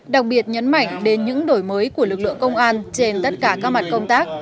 đặc biệt nhấn mạnh đến những đổi mới của lực lượng công an trên tất cả các mặt công tác